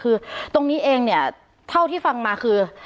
คือตรงนี้เองเนี่ยเท่าที่ฟังมาคือ